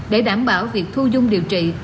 để đảm bảo việc thu dung điều trị